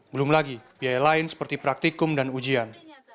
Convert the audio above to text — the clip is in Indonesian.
belum lagi biaya lain seperti praktikum dan ujian